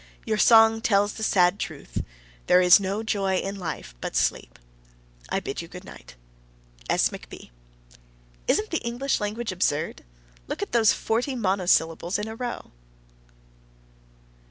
Your song tells the sad truth, "There is no joy in life but sleep." I bid you good night. S. McB. Isn't the English language absurd? Look at those forty monosyllables in a row!